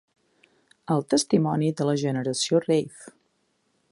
El testimoni de la generació rave.